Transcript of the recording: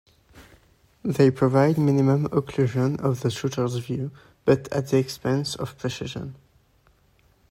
They provide minimum occlusion of the shooter's view, but at the expense of precision.